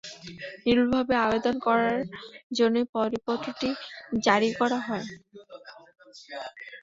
নির্ভুলভাবে আবেদন করার জন্যই পরিপত্রটি জারি করা হয়।